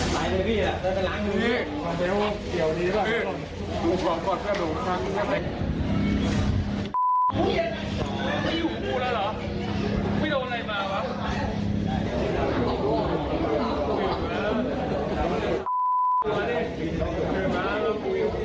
ไม่อยู่กับกูแล้วเหรอไม่โดนอะไรมาวะ